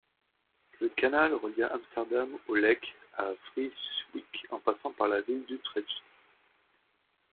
Le canal relia Amsterdam au Lek à Vreeswijk, en passant par la ville d'Utrecht.